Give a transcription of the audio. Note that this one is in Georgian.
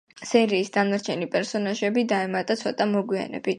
სერიის დანარჩენი პერსონაჟები დაემატა ცოტა მოგვიანებით.